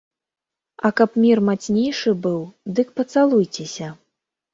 А каб мір мацнейшы быў, дык пацалуйцеся!